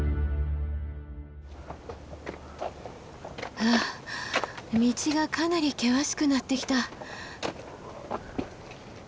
ふう道がかなり険しくなってきた。